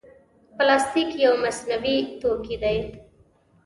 پلاستيک یو مصنوعي توکي دی.